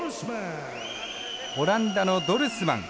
オランダのドルスマン。